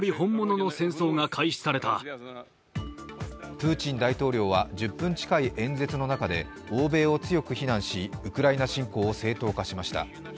プーチン大統領は１０分近い演説の中で欧米を強く非難しウクライナ侵攻を正当化しました。